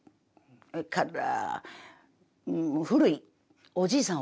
それから古いおじいさん